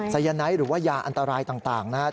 สายไนท์หรือว่ายาอันตรายต่างนะครับ